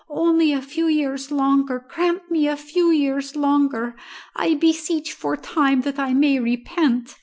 Only a few years longer grant me a few years longer I beseech for time that I may repent!"